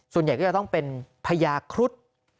ส่วนใหญ่ก็จะต้องเป็นพญาครุฑ